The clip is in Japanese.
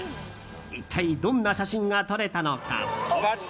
一体どんな写真が撮れたのか？